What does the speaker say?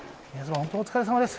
本当お疲れさまです。